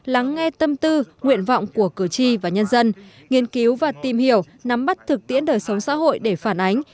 lắng nghe tâm tư nguyện vọng của cử tri và nhân dân nghiên cứu và tìm hiểu nắm bắt thực tiễn đời sống xã hội để phản ánh